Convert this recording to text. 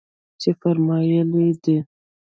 چې فرمايلي يې دي.